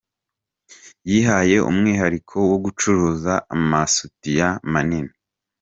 Yihaye umwihariko wo gucuruza amasutiya manini